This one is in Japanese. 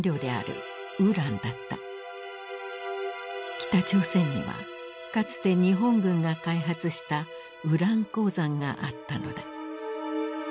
北朝鮮にはかつて日本軍が開発したウラン鉱山があったのだ。